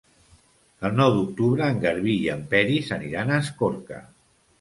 El nou d'octubre en Garbí i en Peris aniran a Escorca.